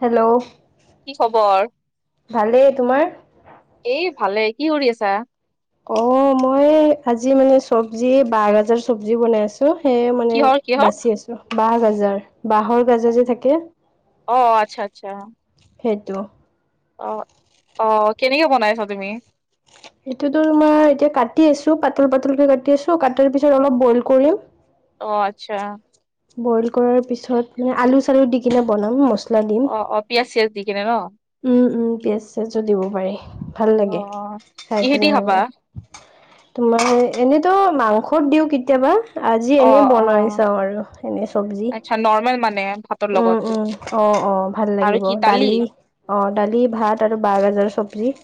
Hello কি খবৰ? ভালেই, তোমাৰ? এই ভালেই, কি কৰি আছা? অ অ অ, মই আজি মানে চব্জি বাহগাজৰ চব্জি বনাই আছো। তোক সেয়ে মানে কিহৰ কিহৰ? বাচি আছো বাহগাজৰ। বাঁহৰ গাজৰ যে থাকে অ' আচ্ছা আচ্ছা সেইটো। অ, অ অ অ, কেনেকে বনাইছা তুমি? এইটোতো তোমাৰ এতিয়া কাটি আছো পাতল পাতলকে কাটি আছো কাটাৰ পিছত অলপ বইল কৰিম অ আচ্ছা। বইল কৰাৰ পিছত মানে আলু-চালু দি কিনে বনাম মস অ অ, পিয়াঁজ-চিয়াজ দি কিনে ন। উম উম, পিয়াঁজ-চিয়াজো দিব পাৰি ভাল লাগে অ' অ' খাই কিহেদি কিনে খাবা? এনেকুৱা তোমাৰ এনেতো মাংসত দিও কেতিয়াবা। আজি এনেই অ' বনাই অ' চাওঁ আৰু এনে চব্জি আচ্ছা নৰ্মেল মানে ভাতৰ উম লগত উম অ উম অ অ ভাল আৰু লাগিব কি দালি অ দালি ভাত আৰু বাঁহ গাজৰৰ চব্জি।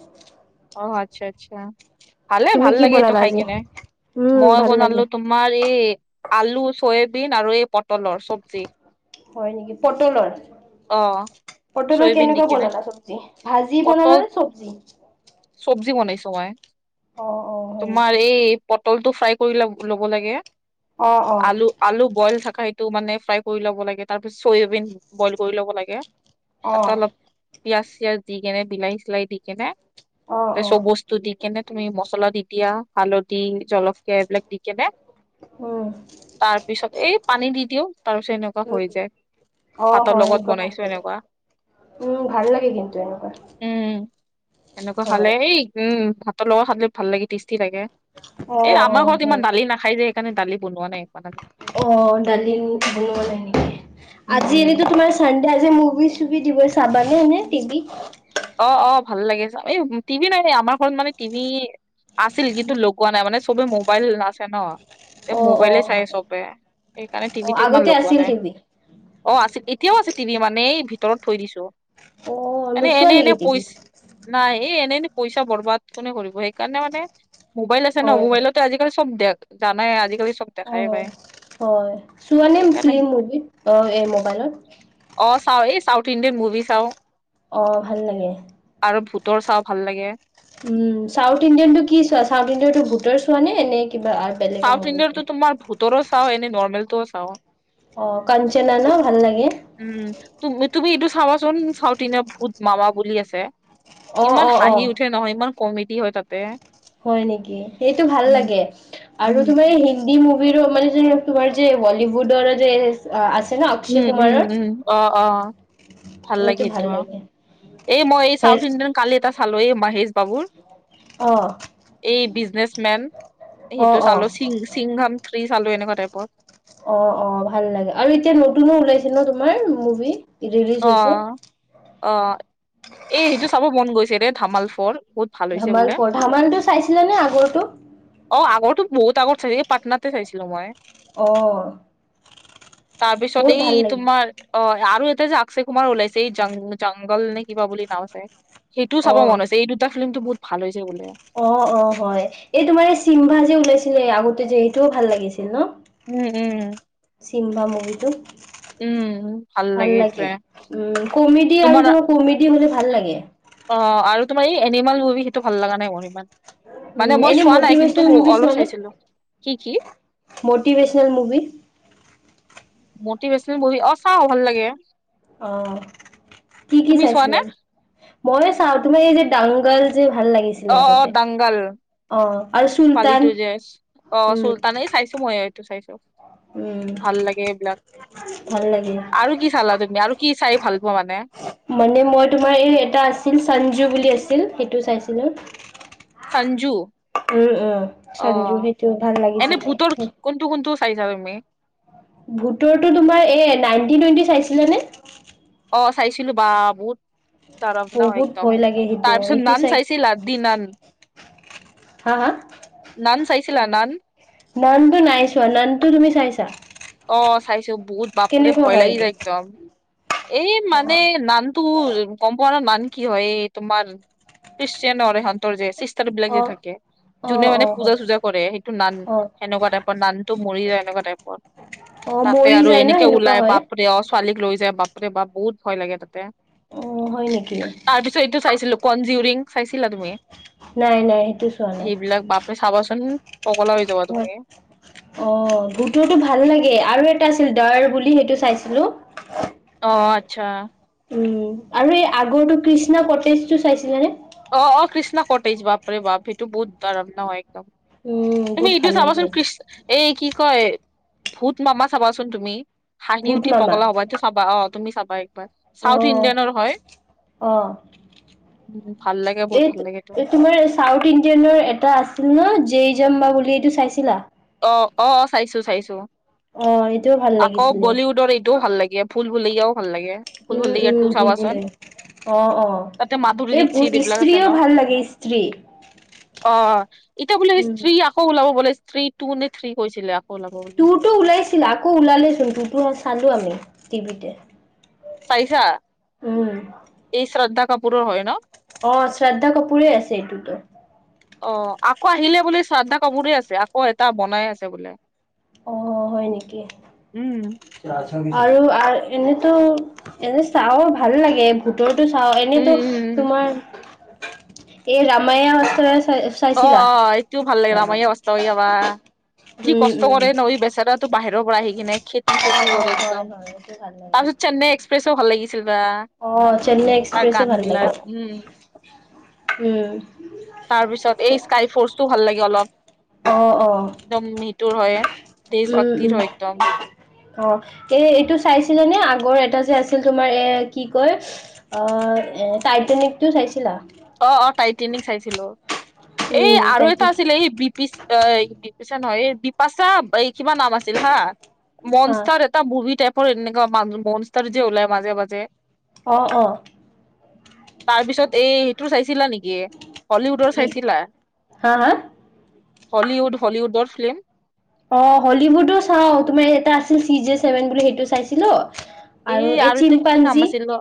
অ আচ্ছা আচ্ছা ভালে তুমি ভাল কি লাগে এইটো বনালা খাই আজি কিনে উম মই ভাল বনালো লাগে তুম তোমাৰ এ এ এ আলু, চয়াবিন আৰু এই পটলৰ চব্জি। হয় নেকি, পটলৰ। চুকি অ' চুকি ঠা পটলৰ চয়াবিন দি কেনেকুৱা কিনে বনালা চব্জি ভাজি পটল বনালা নে চব্জি। চব্জি বনাইছো মই অ অ হয় নেকি তোমাৰ এই পটলটো ফ্ৰাই কৰি ল-ল'ব লাগে। অ অ। আলু আলু বইল থাকা এইটো মানে ফ্ৰাই কৰি ল'ব লাগে তাৰপিছত চয়াবিন বইল কৰি ল'ব লাগে। অ তাতো অলপ পিয়াজ-চিয়াজ দি কেনে বিলাহী-চিলাহী দি কেনে অ ত অ চব বস্তু দি কেনে তুমি মচলা দি দিয়া হালধি, জলকীয়া এইবিলাক দি কেনে উম উ। তাৰ পিছত এই পানী দি দিও তাৰ পিছত এনেকুৱা উম হৈ যায়। অ ভাতৰ হয় লগত এনেকুৱা ভাল বনাইছো লাগে এনেকুৱা। উম উ, ভাল লাগে কিন্তু এনেকুৱা। উম এনেকুৱা হয় খালে এই উম ভাতৰ লগত খালে ভাল লাগে টেষ্টি লাগে। অ এই অ আমাৰ ঘৰত ইমান হয় দালি নাখাই যে সেইকাৰণে দালি বনোৱা নাই। ইমান আমি অ, দালি বনোৱা নাই নেকি উম আজি উম এনেতো তোমাৰ ছানডে আজি মুভি চুভি দিব চাবানে এনে টিভি? অ', অ', ভাল লাগে চাই এই টিভি নাই ন আমাৰ ঘৰত মানে টিভি আছিল কিন্তু লগোৱা নাই মানে চবে মোবাইল আছে ন। তে অ', অ', মোবাইলে চাই হয়। চবে সেইকাৰণে অ', টিভিত ইমান আগতে লগোৱা আছিল নাই। টিভি। অ, আছিল এতিয়াও আছে তিনি মানে এই ভিতৰত থৈ দিছো। অ, মানে নোচোৱা এনে এনে নেকি টিভি? পইচ নাই এই এনেই পইচা বৰবাদ কোনে কৰিবব সেইকাৰণে মানে মোবাইল আছে ন হয়। মোবাইলতে আজিকালি চব দেক জানাই আজিকালি চব অ, দেখাই পায়, হয় চোৱা নে সেইকাৰণে ফিল্ম মুভিত অ, এই মোবাইলত। অ, চাও এই চাউথ ইণ্ডিয়ান মুভি চাও। অ, ভাল লাগে। আৰু ভূতৰ চাও ভাল লাগে। উম, চাউথ ইণ্ডিয়ান টো কি চোৱা চাউথ ইণ্ডিয়ানটো ভূতৰ চোৱা নে - নে কিবা আ চউথ ইণ্ডিয়াৰ তো তোমাৰ ভূতৰো চাও এনে নৰ্মেলটো চাও। অ, কাঞ্চনা ন ভাল লাগে। উম, তুমি এইটো চাবাচোন চাউথ ইডিয়াৰ ভূত মামা বুলি আছে। অ', ইমান অ', হাঁহি অ'। উঠে নহয় ইমান কমেডী হয় তাতে। হয় নেকি? সেইটো ভাল লাগে উম, আৰু তুমাৰ উম। এই হি দি মুভি ৰ মানে যে তোমাৰ যে বলিউডৰ যে আছে ন অক্ষয় উম- উম কুমাৰৰ -উম অ', অ', ভাল লাগে তো এই মই এই হে চাউথ ইণ্ডিয়ান কালি এটা চালো এই মাহেশ বাবুৰ। অ', এই বিজনেচ মেন অ সেইটো অ চালো সিংঘাম থ্ৰী চালো এনেকুৱা টাইপৰ। অ', অ', ভাল লাগে আৰু এতিয়া নতুনো ওলাইছে ন তোমাৰ মুভি। ৰিলিজ অ', হৈছে অ', এ সেইটো চাব মন গৈছে বে ধামাল ফৰ বহুত ভাল হৈছে ধামাল বোলে। ফ'ৰ ধামাল টু চাইছিলে নে আগৰটো? অ, আগৰটো বহুত আগত চাইছিল পাটনাতে চাইছিলো মই। অহ', তাৰপিছত এই লাগে তোমাৰ অ, আৰু এটা যে অক্ষয় কুমাৰ ওলাইছে এই জংঘল নে কিবা বুলি নাম আছে সেইটোও অ চাব মনছে এই দুটা ফিল্মতটো বহুত ভাল হৈছে বোলে। অ', অ', হয় এই তোমাৰ এই চিমভা যে ওলাইছিলে আগতে যে সেইটোও ভাল লাগিছিল ন। উম - উম। চিমভা মুগীটো। ভাল লাগে উম, কমেডি তোমাৰ আৰু ধৰ কমেডি হলে ভাল লাগে। অ, আৰু তোমাৰ এই এনিমেল মুভি সেইটো ভাল লগা নাই মোৰ ইমান। মানে উম মই এনে চোৱা নাই কিন্তু মটিভেশনেল মুভি অলপ চাইছিলো কি-কি? Motivational movie. মটিভেশ্যেনেল মুভি অ, চাও ভাল লাগে। অ, কি - কি তুমি চোৱা নে চাইছিলে? ময়ে চাও তোমাৰ এই যে ডাংগাল যে ভাল লাগিছিল। অ', অ', ডাংগাল আৰু চুলতান ছোৱালীটো যে চ অ, উম চুলতানেই চাই চো মই এইটো চাইছো। উম ভাল লাগে এইবিলাক ভাল লাগে আৰু কি চালা তুমি আৰু কি চাই ভাল পোৱা মানে। মানে মই তোমাৰ এই এটা আছিল চঞ্জু বুলি আছিল সেইটো চাইছিলো। সঞ্জু উম - উম অ সঞ্জু সেইটো ভাল এনে লাগিছিলে। ভূতৰ কোনটো - কোনটো চাইছা তুমি? ভোতৰটো তোমাৰ এ নাইনটিন টুৱেণ্টি চাইছিলা নে? অঁ চাইছিলো বাহ বহুত দৰাৱানা হয় বহুত একদম ভয় লাগে সেইটো তাৰপিছত সেইটো নান চাই চাইছিলা? দি নান। হা হা? নান চাইছিলা নান? নানটো নাই চোৱা। নানটো তুমি চাইছা? অঁ চাইছো বহুত বাপৰে কেনেকুৱা ভয় হয় লাগি এইটো যায় একদম। এই মানে নামটো কম তোমাৰ নান কি হয় তোমাৰ খ্ৰীষ্টান ৰ ইহতৰ ৰ যে চিষ্টাৰ বিলাক অ যে থাকে অ যোনে অ মানে পূজা হয় চূজা কৰে সেইটো নান অ সেনেকুৱা টাইপৰ নানটো মৰি যায় এনেকুৱা টাইপৰ অ তাতে মৰি আৰু যায় ন এনেকে সেনেকুৱা ওলাই হয় বাপৰে অ ছোৱালীক লৈ যায় বাপৰে বাপ বহুত ভয় লাগে তাতে অ হয় নেকি তাৰপিছত এইটো চাইছিলো কনজিউৰিং চাইছিলা তুমি নাই নাই সেইটো চোৱা সেইবিলাক বাপ তুমি চাবচোন ম অ ভূতৰটো ভাল লাগে আৰু এটা আছিল দাৰ বুলি সেইটো চাইছিলো অ আচ্ছা উম আৰু এই আগৰটো কৃষ্ণা কটেজটো চাইছিলে নে অ অ কৃষ্ণা কটেজ বাপৰে বাপ সেইটো বহুত দৰৱনা হয় একদম উম তুমি বহুত এইটো ভাল চাবাচোন লাগে কিষ্ট এই কি কয় ভূত মামা চাবাচোন তুমি হাঁহি ভূত উঠি মামা পগলা হ'বা চাবা অ তুমি চাবা একবাৰ অ চাউথ ইণ্ডিয়ানৰ হয় অ উ ভাল লাগে বহুত এই ভাল লাগে এইটো তোমাৰ চাউথ ইণ্ডিয়ানৰ এটা আছিল ন জেই জাম্বা বুলি এইটো চাইছিলা অ অ চাইছো চাইছো অ এইটোও ভাল আকৌ লাগিছিলে। বলিউডৰ এইটোও ভাল লাগে ভুল ভূলেয়াও ভাল লাগে ভুল উম ভুলৈয়া উম টু ভুল চাবাচোন ভূলেয়া অ অ তাতে মাধুৰী এই দীক্ষিত এইবিলাক আছে স্ত্ৰ্ৰীও ন। ভাল লাগে স্ত্ৰ্ৰী, অ এতিয়া বোলে স্ত্ৰী আকৌ ওলাব বোলে স্ত্ৰী টু নে থ্ৰী কৈছিলে আকৌ ওলাব বোলে তটো ওলাইছিল আকৌ ওলালেচোন ততো চালো আমি টিভিতে চাইছা উম। এই শ্ৰদ্ধা কাপোৰৰ হয় ন অ শ্ৰদ্ধা কাপুৰে আছে এইটোতো অ আকৌ আহিলে বুলি শ্ৰদ্ধা কাপুৰে আছে আকৌ এটা বনাই আছে বোলে অ হয় নেকি উম আৰু এনেতো এনে চাওঁ ভাল লাগে ভোটৰটো চাও উম এনেতো উম উম তোমাৰ এই ৰামায়া চাই আছো অ অ এইটোও ভাল লাগিলে আমাৰ অৱস্থা কি কবা যি উম কষ্ট উম। কৰে নৈ বেচেৰাতো বাহিৰৰ পৰা আহি কিনে খেতি অ চেতি অ কৰে হয় একদম হয় এইটো ভাল লাগে। তাৰ পিছত চেন্নাই এক্সপ্ৰেছো ভাল লাগিছিল বা, অ চেন্নাই তাৰ এক্সপ্ৰেছো গান ভাল লাগে, বিলাক উম উম তাৰ পিছত চে এই স্কাই ফৰ্চটো ভাল লাগে অলপ অ', অ', একদম মিটুৰ হয় দেশ উম, উম। ভক্তিৰ হয় একদম। অ এই এইটো চাইছিলে নে আগৰ এটা যে আছিল তোমাৰ এ কি কয়, অ এ টাইটানিক টো চাইছিলা? অ অ টাইটেনিক চাইছিলো এই উম, আৰু এটা টাইটেন আছিলে এই বি পি, পিচা নহয় এই বিপাশা এই কিবা নাম আছিল হা হা, মনষ্টাৰ, এটা মুভি টাইপৰ এনেকুৱা ম মনষ্টাৰ যে ওলাই মাজে মাজে, অ', অ', তাৰপিছত এই টো চাইছিলা নেকি হলিউডৰ কি চাইছিলা? হা, হা? হলিউড হলিউডৰ ফিল্ম অ হলিউডো চাও তোমাৰ এটা আছিল চি জে ছেভেন বুলি সেইটো চাইছিলো, এ আৰু এতিয়া কি নাম আছিল অ,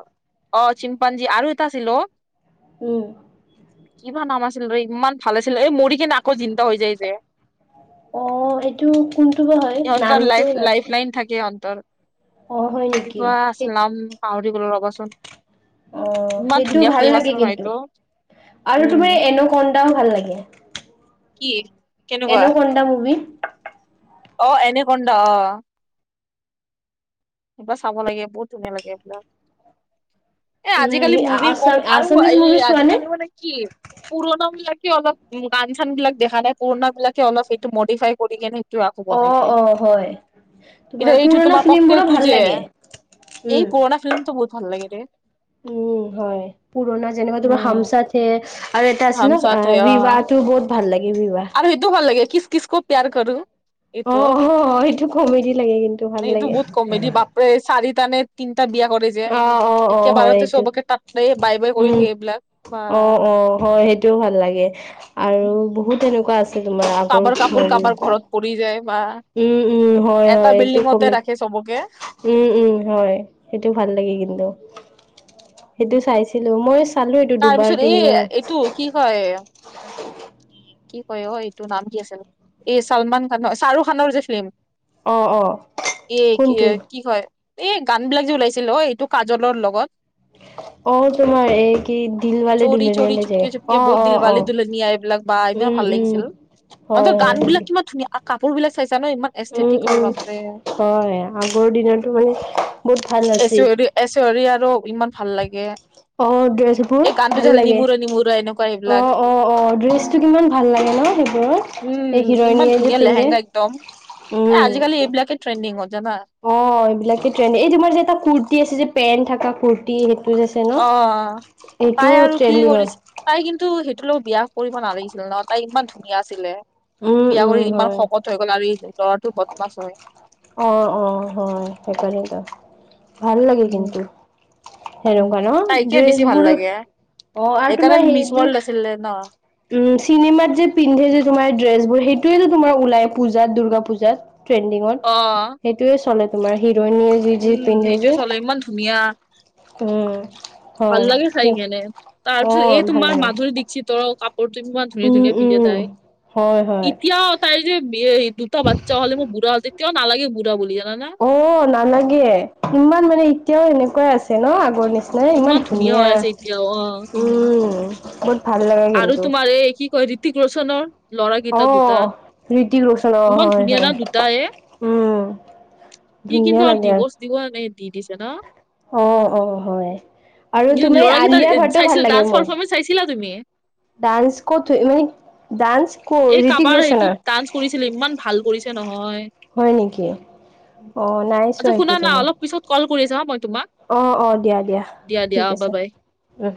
অ চিম্পঞ্জী আৰু এটা আছিল অ? উম। কিবা নাম আছিল ৰৰে ইমান ভাল আছিল এই মৰি কিনে আকৌ জিন্দা হৈ যায় যে? অ', এইটো কোনটো বা হয় ইহঁতৰ নামটো লাইফ নাজানো লাইফ লাইন থাকে ইহঁতৰ। অ হয় নি কি বা আছলাম পাহৰি গলো ৰবাচোন। অ ইমান সেইটো ধুনীয়া ভাল ফিল্ম লাগে আছিল ন কিন্তু এইটো আৰু উম তোমাৰ এনাকন্দাও ভাল লাগে। কি? কেনেকুৱা এনকন্দা মুভি। অ এনেকন্দা অ। এইবাৰ চাব লাগে বহুত ধুনীয়া লাগে এইবিলাক। এ উম, আজিকালি মুভিৰ কম আছাম আৰু আছামিজ এই মুভি চোৱা আজি নে? কালি মানে কি পুৰণাবিলাকে অলপ উম গান - চানবিলাক দেখা নাই পুৰণাবিলাকে অলপ সেইটো মডিফাই কৰি কিনে ত আকৌ বনাই অ' দিয়ে অ' হয়। কিন্তু তোমাৰ এইটো পুৰণা তোমাকক তেও ফিল্মবোৰো তু ভাল যে লাগে। এই উম, পুৰণা ফিল্মটো বহুত ভাল লাগে ৰে। উম হয় পুৰণা যেনেকুৱা তোমাৰ উম হামচাথ হে আৰু এটা হাম আছিলো আ চাথ হে অ বিবাহ তোৰ বহুত ভাল লাগে বিবাহ। আৰু সেইটো ভাল লাগে কিছ কিছ কো প্যাৰ কৰো। এইটো, অ' অ' এইটো কমেডি লাগে কিন্তু ভাল এইটো লাগে। বহুত কমেডি বাপ ৰে চাৰিটানে - তিনিটা বিয়া কৰে যে অ অ অ হয় একেবাৰতে সেইটো, চবকে তাতে বাই বাই কৰি উম থাকে এইবিলাক অ বা অ হয় সেই টো ভাল লাগে আৰু বহুত এনেকুৱা আছে তোমাৰ আগৰ পুৰণি কৰি যায় বা উম উম হয় এটা হয় এইটো বিল্ডিঙতে কমে। ৰাখে চবকে উম' উম' হয় সেইটো ভাল লাগে কিন্তু, সেইটো চাইছিলো মই চালো এইটো দুবাৰ, তিনিবাৰ মান। টো কি কয়ে কি কয় অ এইটো নাম কি আছিল, এই চালমান খান ন শ্বাহৰুখ খানৰ যে ফিল্ম অ অ এ কি কোনটো আ কি কয় এ গানবিলাক যে ওলাইছিল অ এইটো কাজলৰ লগত অ তোমাৰ এই কি দিলৱালে চৌৰি দুলনিয়া চৌৰি লৈ যায়, চুপকে চুপকে অ বহুত অ অ দিলৱালি উম উম। হয় তাহাতৰ হয় গানবিলাক কিমান ধুনীয়া কা কাপোৰবিলাক চাইছা ন ইমান উম এস্থেটিক হয় উম, বাপৰে হয় আগৰ দিনতো মানে বহুত ভাল আছিল। এচ হৰি আৰু ইমান ভাল লাগে। অ দুয়েজো বোৰ এই গানটো যে ভাল লাগে, নিমুৰে নিমুৰে এনেকুৱা অ এইবিলাক অ অ ড্ৰেচটো কিমান ভাল লাগে ন সেইবোৰৰ। উম' ইমান ধুনীয়া লেহেংগা একদম, এ উম আজিকালি এইবিলাকে ট্ৰেণ্ডিঙত জানা? অ এইবিলাকে ট্ৰেণ্ড, এই যে মোৰ এটা কুৰ্তি আছে যে পেণ্ট থকা কুৰ্তি সেইটো যে আছে ন অ অ, এইটো পাই আৰু কি ট্ৰেণ্ডিং হয় কৰিছে? তাই কিন্তু সেইটোৰ লগত বিয়া কৰিব নালাগিছিল ন, তাই ইমান ধুনীয়া আছিলে। উম বিয়া উম কৰি ইমান হয় শকত হৈ গ'ল আৰু এই ল'ৰাটো বদমাছ হয়। অ অ হয় সেইকাৰণেই ভাল লাগে উম, কিন্তু। উম, সেনেকুৱা ন, তাইকে বেছি ভাল ড্ৰেচবোৰ লাগে অ আৰু তোমাৰ সেইকাৰণে মিছ ৱৰ্ল্ড সেইযোৰ আছিলে ন। উম' চিনেমাত যে পিন্ধে যে তোমাৰ ড্ৰেছবোৰ, সেইটোয়ো তোমাৰ ওলাই পূজাত দুৰ্গা পূজাত। ট্ৰেণ্ডিংত, অ', সেইটোয়ে চলে তোমাৰ হি'ৰইনিয়ে উম' সেইটোয়ে চলে ইমান ধুনীয়া উম ভাল হয় লাগে চাই কেনে, তাৰ অ পিছত এই ভাল তোমাৰ লাগে মাধুৰী দীক্ষিতৰ কাপ পুৰ ইমান ধুনীয়া - উম ধুনীয়া পিন্ধে তাই উম হয় হয় এতিয়াও তাইৰ যে বে দুটা বাচ্ছা হ'লে বুঢ়া হ'ল, তেতিয়াও নালাগে বুঢ়া বুলি জানানে? অ, নালাগে ইমান মানে এতিয়াও এনেকুৱাই আছে ন' আগৰ নিচ নাই ইমান ধুনীয়া হৈ আছে এতিয়াও অ'। উম, ভাল লগা আৰু কিন্তু তোমাৰ এই কি কয় ঋতিক ৰোচনৰ অ, ঋতিক ৰোচনৰ ইমান হয় ধুনীয়া না দুটায়ে -হয় উম। সি কিন্তু ধুনীয়া লাগে। [unintelligible] দি দিছে ন? অ', অ', হয় আৰু কিন্তু টোমে ল'ৰাকেইটা আলিয়া ভাটও ভাল চাইছিলা লাগে ডান্স মোক। পাৰফৰ্মেঞ্চ চাইছিলা তুমি ডান্স কথ হয় মানে ডান্স এই ক'ৰ ঋতিক কাবাৰ ৰোচনৰ সেইটোত ডান্স কৰিছিলে ইমান ভাল কৰিছে নহয় হয় নেকি? অ, নাই চোৱা সেইটোত [unintelligible] না অলপ পিছত ক'ল কৰিছোঁ হা মই তোমাক। অ', অ', দিয়া -দিয়া দিয়া ঠিক বাই আছে বাই উম।